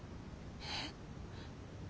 えっ？